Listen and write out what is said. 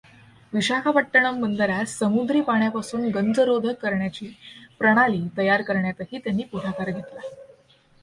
विशाखापट्टणम बंदरास समुद्री पाण्यापासुन गंजरोधक करण्याची प्रणाली तयार करण्यातही त्यांनी पुढाकार घेतला.